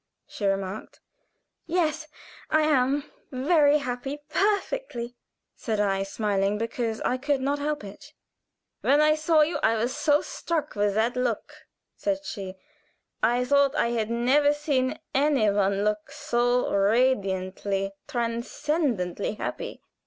she remarked. "Yes, I am very happy perfectly," said I, smiling, because I could not help it. "When I saw you I was so struck with that look," said she. "I thought I had never seen any one look so radiantly, transcendently happy.